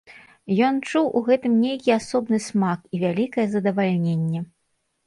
Ён чуў у гэтым нейкі асобны смак і вялікае задавальненне.